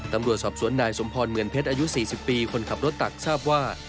ตำรวจสอบสวนนายสมพรเหมือนเพชรอายุ๔๐ปีคนขับรถตักทราบว่า